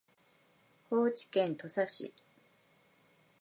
高知県土佐市